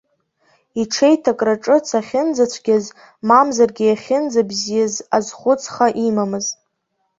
Иҽеиҭакра ҿыц ахьынӡацәгьаз, мамзаргьы, иахьынӡабзиаз азхәыцха имамызт.